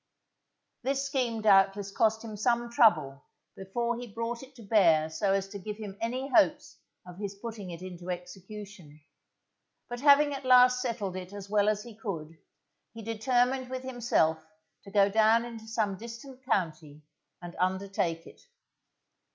This scheme doubtless cost him some trouble before he brought it to bear so as to give him any hopes of his putting it into execution, but having at last settled it as well as he could, he determined with himself to go down into some distant county and undertake it.